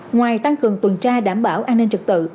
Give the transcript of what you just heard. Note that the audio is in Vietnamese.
ngoài tăng cường tuần tra đảm bảo an ninh trực tự